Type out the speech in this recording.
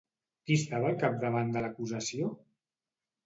Qui estava al capdavant de l'acusació?